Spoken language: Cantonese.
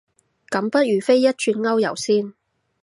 咁不如飛一轉歐遊先